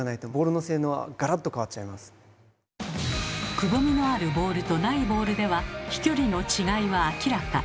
くぼみのあるボールとないボールでは飛距離の違いは明らか。